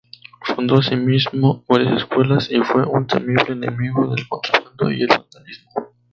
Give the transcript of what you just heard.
Fundó asimismo varias escuelas y fue un temible enemigo del contrabando y el vandalismo.